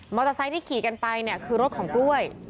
ไซค์ที่ขี่กันไปเนี่ยคือรถของกล้วย